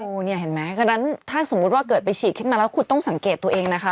โอ้โหเนี่ยเห็นไหมฉะนั้นถ้าสมมุติว่าเกิดไปฉีดขึ้นมาแล้วคุณต้องสังเกตตัวเองนะคะ